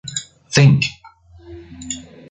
Think!